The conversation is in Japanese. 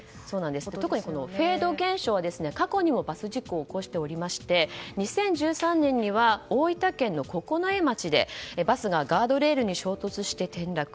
特にフェード現象は過去にもバス事故を起こしていまして２０１３年には大分県の九重町で、バスがガードレールに衝突して転落。